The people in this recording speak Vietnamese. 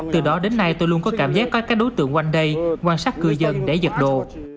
từ đó đến nay tôi luôn có cảm giác có các đối tượng quanh đây quan sát cư dân để giật đồ